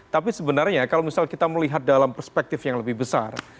tapi sebenarnya kalau misal kita melihat dalam perspektif yang lebih besar